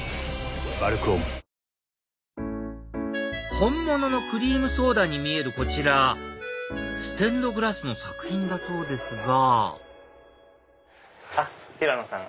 本物のクリームソーダに見えるこちらステンドグラスの作品だそうですがひらのさん